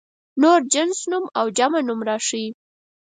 نور جنس نوم او جمع نوم راښيي.